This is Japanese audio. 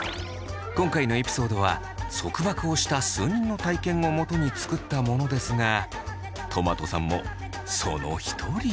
今回のエピソードは束縛をした数人の体験をもとに作ったものですがとまとさんもその一人。